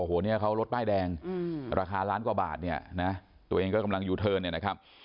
โอ้โหเนี่ยเขารถป้ายแดงราคาล้านกว่าบาทเนี่ยนะตัวเองก็กำลังยูเทิร์นเนี่ยนะครับ